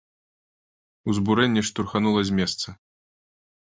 Узбурэнне штурханула з месца.